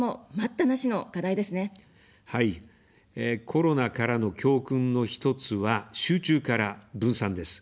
コロナからの教訓の一つは、集中から分散です。